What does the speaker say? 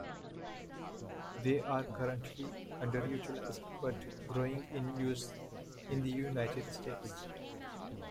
They are currently underutilized but growing in use in the United States.